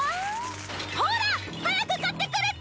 ほら！早く買ってくるっちゃ！